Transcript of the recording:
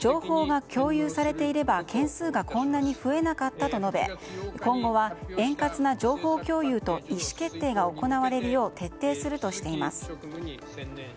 情報が共有されていれば件数がこんなに増えなかったと述べ今後は円滑な情報共有と意思決定が行われるよう徹底するとしています。